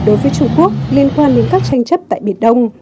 đối với trung quốc liên quan đến các tranh chấp tại biển đông